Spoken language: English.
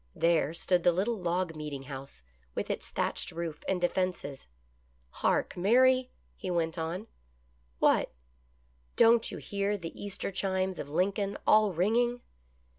There stood the little log meeting house, with its thatched roof and defenses. " Hark, Mary !" he went on. " What ?"" Don't you hear the Easter chimes of Lincoln, all ringing